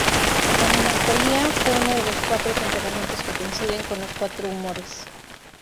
La melancolía fue uno de los cuatro temperamentos que coinciden con los cuatro humores.